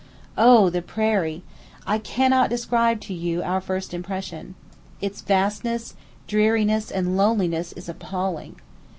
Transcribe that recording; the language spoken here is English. O the prairie! I cannot describe to you our first impression. Its vastness, dreariness, and loneliness is appalling.